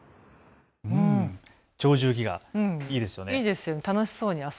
鳥獣戯画、いいですよね。